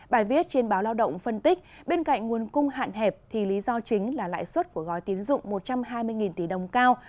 bài viết trên báo lao động phân tích bên cạnh nguồn cung hạn hẹp thì lý do chính là lãi suất của gói tín dụng một trăm hai mươi tỷ đồng cao